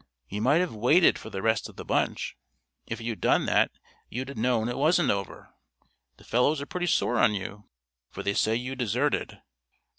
"You might have waited for the rest of the bunch. If you'd done that you'd known it wasn't over. The fellows are pretty sore on you, for they say you deserted."